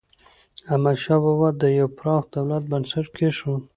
احمدشاه بابا د یو پراخ دولت بنسټ کېښود.